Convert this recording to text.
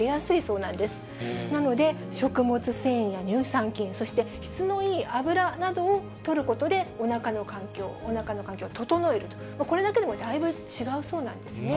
なので、食物繊維や乳酸菌、そして質のいい油などをとることで、おなかの環境を整えると、これだけでもだいぶ違うそうなんですね。